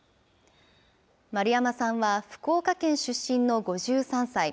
丸山さんは福岡県出身の５３歳。